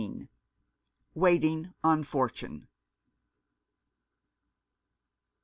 WAITING ON FORTUNE.